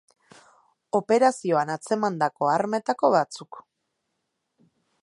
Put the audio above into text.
Operazioan atzemandako armetako batzuk.